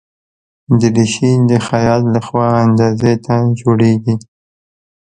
دریشي د خیاط له خوا اندازې ته جوړیږي.